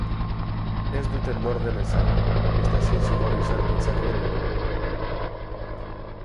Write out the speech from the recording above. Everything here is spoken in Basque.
Ez dute nor den esan, ezta zein zigor izan ditzakeen ere.